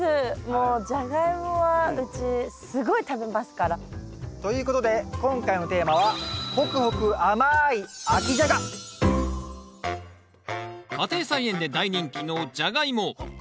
もうジャガイモはうちすごい食べますから。ということで今回のテーマは家庭菜園で大人気のジャガイモ。